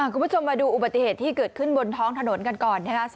คุณผู้ชมมาดูอุบัติเหตุที่เกิดขึ้นบนท้องถนนกันก่อนนะคะ